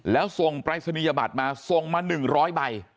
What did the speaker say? แล้วส่งปรายศนียบัตรมาส่งมา๑๐๐ใบ